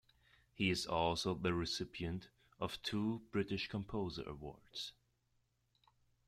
He is also the recipient of two British Composer Awards.